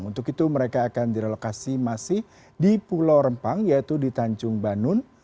untuk itu mereka akan direlokasi masih di pulau rempang yaitu di tanjung banun